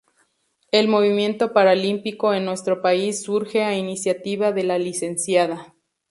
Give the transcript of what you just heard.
El movimiento paralímpico en nuestro país surge a iniciativa de la Lic.